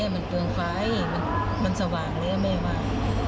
มันเปลืองไฟมันสว่างแล้วแม่ว่า